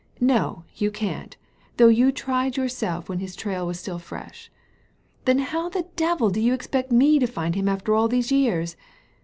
No, you can't, though you tried yourself when his trail was still fresh. Then how the devil do you expect me to find him after all these years